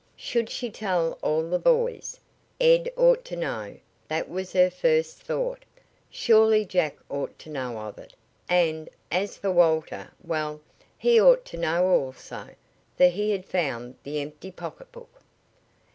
Should she tell all the boys? Ed ought to know, that was her first thought. Surely Jack ought to know of it, and, as for Walter well, he ought to know also, for he had found the empty pocketbook.